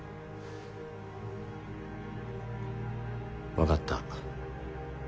分かった。